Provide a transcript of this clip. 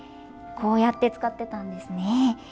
こうやって使ってたんですね。